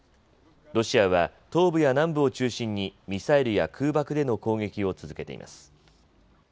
ロシアは東部や南部を中心にミサイルや空爆での攻撃を続けています。